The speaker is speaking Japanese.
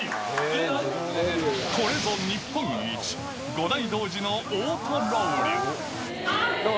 これぞ日本一、５台同時のオートロウリュ。